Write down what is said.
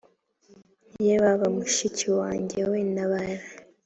ye baba mushiki wanjye we ntabara